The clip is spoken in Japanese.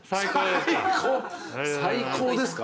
最高ですか？